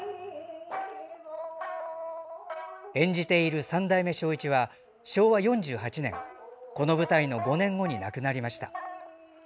演じている三代目・正一は昭和４８年この舞台の５年後に亡くなりました。